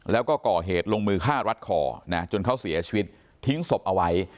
แล้วก็ก่อเหตุลงมือฆ่ารัดคอนะจนเขาเสียชีวิตทิ้งศพเอาไว้